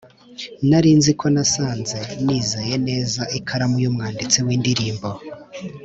nari nzi ko nasanze nizeye neza ikaramu yumwanditsi windirimbo